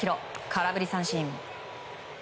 空振り三振。